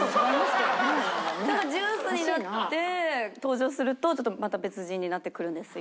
ただジュースになって登場するとまた別人になってくるんですよ。